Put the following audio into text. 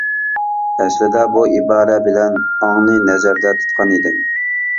ئەسلىدە بۇ ئىبارە بىلەن ئاڭنى نەزەردە تۇتقان ئىدىم.